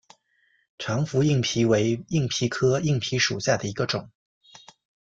长蝠硬蜱为硬蜱科硬蜱属下的一个种。